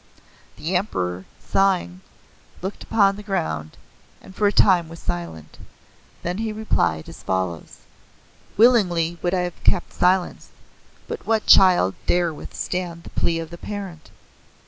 The Emperor, sighing, looked upon the ground, and for a time was silent. Then he replied as follows: "Willingly would I have kept silence, but what child dare withstand the plea of a parent?